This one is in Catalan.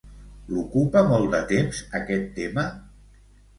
L'ocupa molt de temps aquest tema?